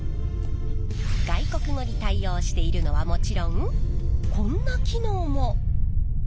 外国語に対応しているのはもちろんこんな機能も！